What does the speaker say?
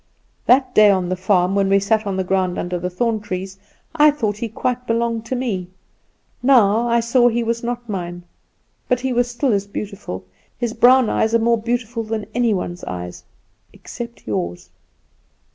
That day on the farm, when we sat on the ground under the thorn trees, I thought he quite belonged to me; now, I saw he was not mine. But he was still as beautiful. His brown eyes are more beautiful than any one's eyes, except yours.